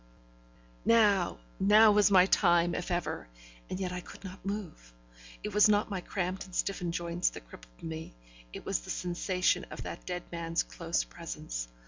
Now, now was my time, if ever; and yet I could not move. It was not my cramped and stiffened joints that crippled me, it was the sensation of that dead man's close presence.